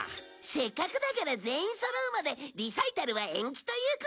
せっかくだから全員そろうまでリサイタルは延期ということに。